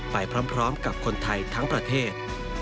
ไปพร้อมกับคนไทยทั้งประเทศ